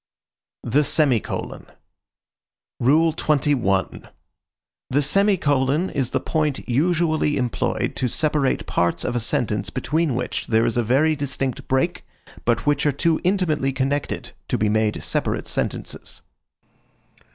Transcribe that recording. THE SEMICOLON XXI. The semicolon is the point usually employed to separate parts of a sentence between which there is a very distinct break, but which are too intimately connected to be made separate sentences.